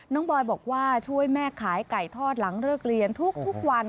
บอยบอกว่าช่วยแม่ขายไก่ทอดหลังเลิกเรียนทุกวัน